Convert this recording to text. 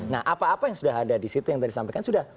nah apa apa yang sudah ada di situ yang tadi disampaikan sudah